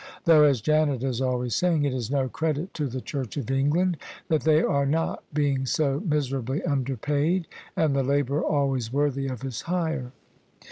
Though, as Janet is always saying, it is no credit to the Church of England that they are not, being so miserably underpaid and the labourer always worthy of his hire.